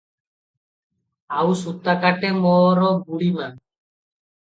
ଆଉ ସୁତା କାଟେ ମୋର ବୁଢ଼ୀ ମା ।